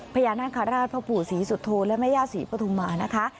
พญานาคาราชพระผู้ศรีสุทธโทและแม่ญาติศรีปฐุมานะคะ